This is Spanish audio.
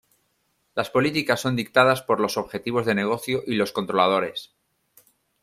Las políticas son dictadas por los objetivos de negocio y los controladores.